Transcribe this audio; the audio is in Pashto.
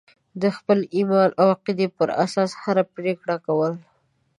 د خپل ایمان او عقیدې پر اساس هره پرېکړه کول.